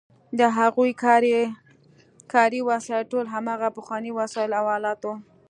د هغوی کاري وسایل ټول هماغه پخواني وسایل او آلات وو.